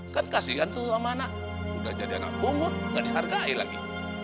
kan kasihan tuh sama anak udah jadi anak bungut nggak dihargai lagi